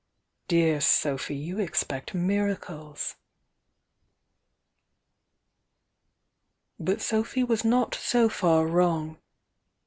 Dear Sophy, you expect miracles!" But Sophy was not so far wrong.